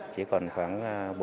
chỉ còn khoảng bốn mươi